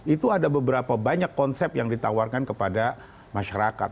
itu ada beberapa banyak konsep yang ditawarkan kepada masyarakat